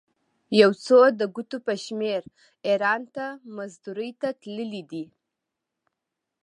یو څو د ګوتو په شمېر ایران ته مزدورۍ ته تللي دي.